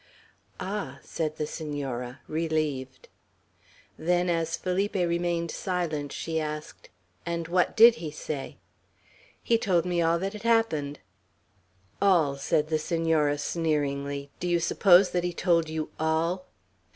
"Ah!" said the Senora, relieved. Then, as Felipe remained silent, she asked, "And what did he say?" "He told me all that had happened." "All!" said the Senora, sneeringly. "Do you suppose that he told you all?"